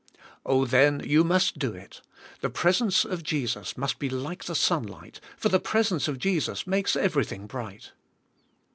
Oh, then you must do it. The presence of Jesus must be like the sunlight, for the presence of Jesus makes everything bright.